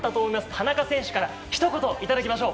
田中選手からひと言いただきましょう。